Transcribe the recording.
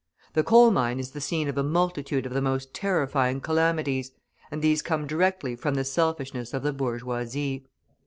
The coal mine is the scene of a multitude of the most terrifying calamities, and these come directly from the selfishness of the bourgeoisie.